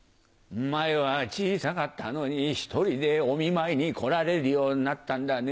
前は小さかったのに１人でお見舞いに来られるようになったんだね。